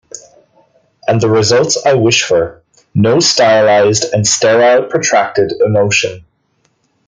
And the results I wish for: no stylized and sterile protracted emotion.